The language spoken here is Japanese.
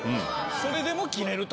それでも切れると。